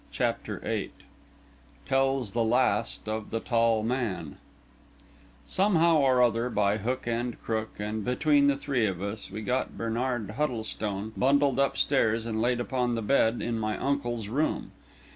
CHAPTER VIII TELLS THE LAST OF THE TALL MAN Somehow or other, by hook and crook, and between the three of us, we got Bernard Huddlestone bundled upstairs and laid upon the bed in My Uncle's Room.